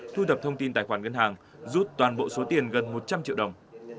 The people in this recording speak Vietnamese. thu thập thông tin tài khoản ngân hàng rút toàn bộ số tiền gần một trăm linh triệu đồng